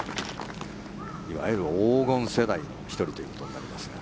いわゆる黄金世代の１人ということになりますが。